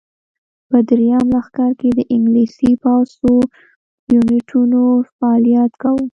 په درېیم لښکر کې د انګلیسي پوځ څو یونیټونو فعالیت کاوه.